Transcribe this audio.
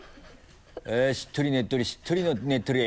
あっしっとりねっとりしっとりねっとり。